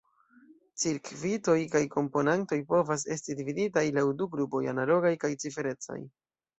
Cirkvitoj kaj komponantoj povas esti dividitaj laŭ du grupoj: analogaj kaj ciferecaj.